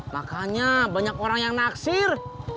makanya banyak orang yang naksir